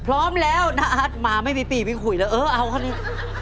พร้อมแล้วนาอาจมาไม่มีปี่มีขุยเลยเออเอาเข้านี้